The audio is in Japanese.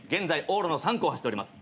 往路の３区を走っております。